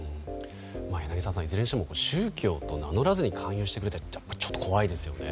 柳澤さん、いずれにしても宗教って名乗らずに勧誘してくるのはちょっと怖いですね。